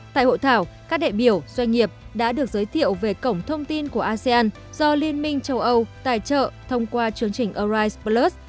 tại hội thảo các đại biểu doanh nghiệp đã được giới thiệu về cổng thông tin của asean do liên minh châu âu tài trợ thông qua chương trình arise plus